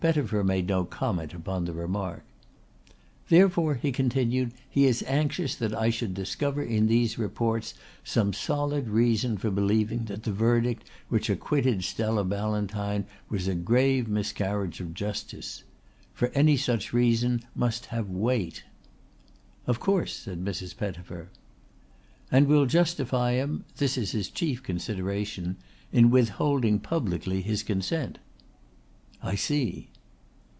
Pettifer made no comment upon the remark. "Therefore," he continued, "he is anxious that I should discover in these reports some solid reason for believing that the verdict which acquitted Stella Ballantyne was a grave miscarriage of justice. For any such reason must have weight." "Of course," said Mrs. Pettifer. "And will justify him this is his chief consideration in withholding publicly his consent." "I see."